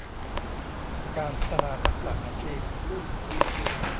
การพัฒนาทักษะอาชีพ